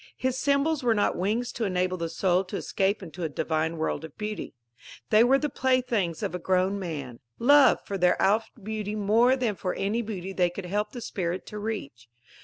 His symbols were not wings to enable the soul to escape into a divine world of beauty. They were the playthings of a grown man, loved for their owft beauty more than for any beauty they could help the spirit to reach.